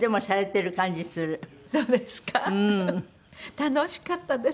楽しかったです。